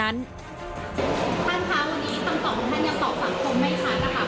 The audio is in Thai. ท่านค้าวันนี้ต้องตอบคุณท่านอย่างตอบสังคมไว้ค่ะ